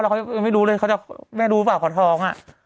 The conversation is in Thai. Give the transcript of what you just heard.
แล้วเขาไม่รู้เลยแม่รู้ป่ะของท้องอะ